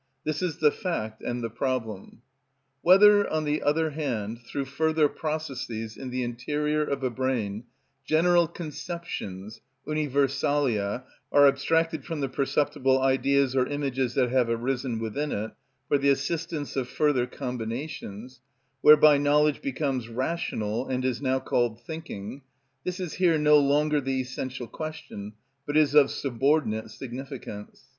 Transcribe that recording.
This is the fact and the problem. Whether, on the other hand, through further processes in the interior of a brain, general conceptions (Universalia) are abstracted from the perceptible ideas or images that have arisen within it, for the assistance of further combinations, whereby knowledge becomes rational, and is now called thinking—this is here no longer the essential question, but is of subordinate significance.